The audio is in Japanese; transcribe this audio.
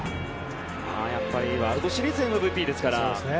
ワールドシリーズＭＶＰですから。